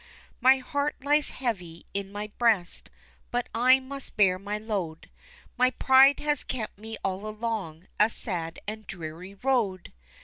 My heart lies heavy in my breast, but I must bear my load, My pride has kept me all along a sad and dreary road.